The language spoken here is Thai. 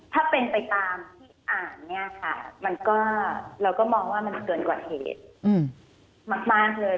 ถ้าเป็นไปตามที่อ่านเนี่ยค่ะมันก็เราก็มองว่ามันเกินกว่าเหตุมากเลย